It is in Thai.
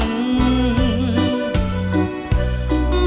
ที่จะรักกับฉัน